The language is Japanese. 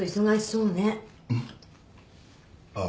うんああ。